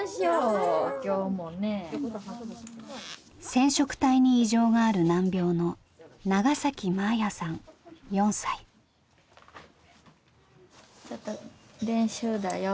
染色体に異常がある難病のちょっと練習だよ。